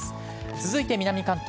続いて南関東。